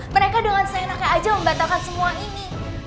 mereka dengan seenaknya aja membatalkan semua ini